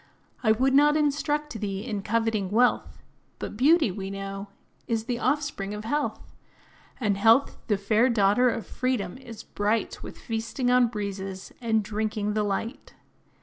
I would not instruct thee in coveting wealth; But beauty, we know, is the offspring of health; And health, the fair daughter of freedom, is bright With feasting on breezes, and drinking the light.